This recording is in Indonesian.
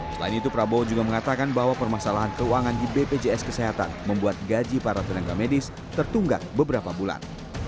selain itu prabowo juga mengatakan bahwa permasalahan keuangan di bpjs kesehatan membuat gaji para tenaga medis tertunggak beberapa bulan